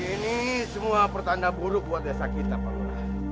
ini semua pertanda buruk buat desa kita pak